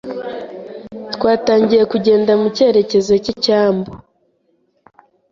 Twatangiye kugenda mu cyerekezo cy'icyambu.